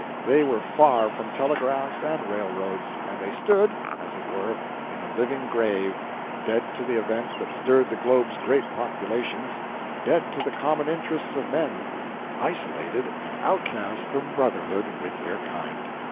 They were far from telegraphs and railroads, and they stood, as it were, in a living grave, dead to the events that stirred the globe's great populations, dead to the common interests of men, isolated and outcast from brotherhood with their kind.